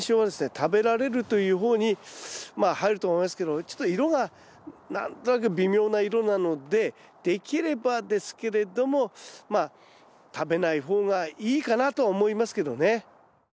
食べられるという方にまあ入ると思いますけどちょっと色が何となく微妙な色なのでできればですけれどもまあ食べない方がいいかなとは思いますけどね。